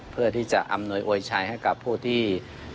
เพื่อที่จะอำนวยโวยชัยให้กับผู้ที่